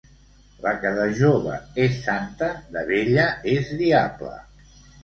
La que de jove és santa, de vella és diable.